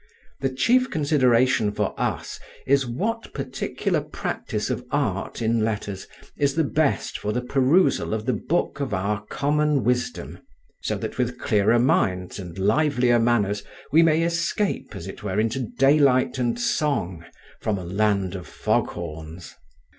The chief consideration for us is, what particular practice of Art in letters is the best for the perusal of the Book of our common wisdom; so that with clearer minds and livelier manners we may escape, as it were, into daylight and song from a land of fog horns.